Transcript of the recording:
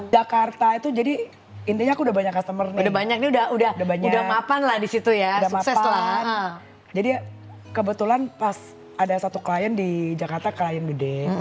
jadi kebetulan pas ada satu klien di jakarta klien gede